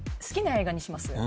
好きな映画にします？